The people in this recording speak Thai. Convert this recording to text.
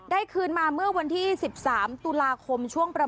พี่พี่พี่พี่พี่พี่พี่พี่พี่พี่พี่